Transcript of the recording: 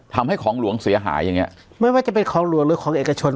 ของหลวงเสียหายอย่างเงี้ยไม่ว่าจะเป็นของหลวงหรือของเอกชน